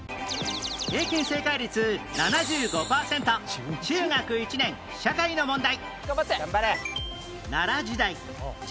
平均正解率７５パーセント中学１年社会の問題